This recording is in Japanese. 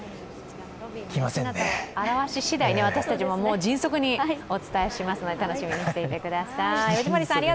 姿を現ししだい私たちも迅速にお伝えしますので楽しみにしてください。